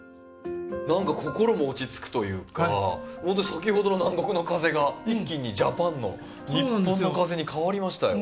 なんか心も落ち着くというかほんと先ほどの南国の風が一気にジャパンの日本の風に変わりましたよ。